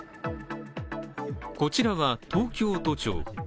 こちらは東京都庁。